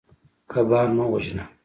کبان مه وژنه.